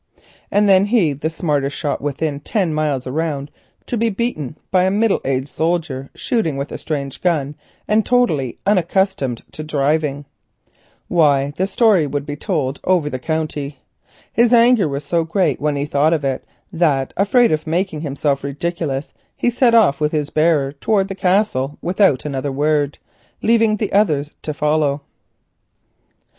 And then he, the smartest shot within ten miles round, to be beaten by a middle aged soldier shooting with a strange gun, and totally unaccustomed to driven birds! Why, the story would be told over the county; George would see to that. His anger was so great when he thought of it, that afraid of making himself ridiculous, he set off with his bearer towards the Castle without another word, leaving the others to follow.